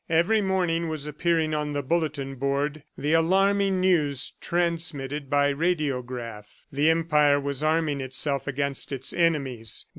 Every morning was appearing on the bulletin board the alarming news transmitted by radiograph. The Empire was arming itself against its enemies.